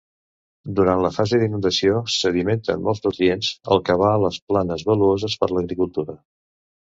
Durant la fase d'inundació sedimenten molts nutrients, el que va les planes valuoses per l'agricultura.